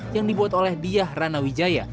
yang dibuat oleh diyah rana wijaya